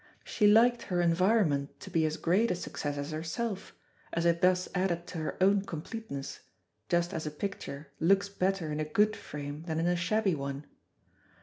She liked her environment to be as great a success as herself, as it thus added to her own completeness, just as a picture looks better in a good frame than in a shabby one.